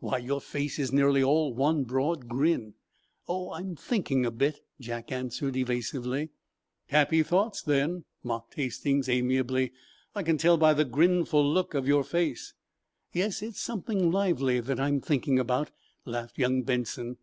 "Why, your face is nearly all one broad grin." "Oh, I'm thinking a bit," Jack answered, evasively. "Happy thoughts, then," mocked Hastings, amiably. "I can tell by the grinful look of your face." "Yes, it's something lively that I'm thinking about," laughed young Benson.